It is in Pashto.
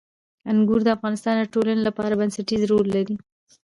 انګور د افغانستان د ټولنې لپاره بنسټيز رول لري.